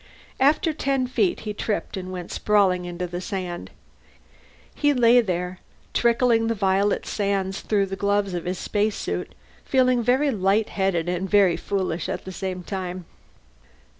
After ten feet he tripped and went sprawling down in the sand. He lay there, trickling the violet sands through the gloves of his spacesuit, feeling very lightheaded and very foolish all at the same time.